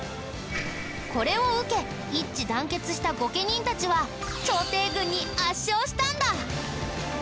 これを受け一致団結した御家人たちは朝廷軍に圧勝したんだ！